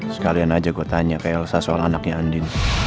sekalian aja gua tanya ke elsa soal anaknya andin